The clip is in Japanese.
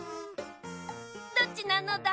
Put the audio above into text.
どっちなのだ？